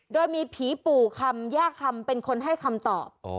โดยมีผีปู่คำย่าคำเป็นคนให้คำตอบ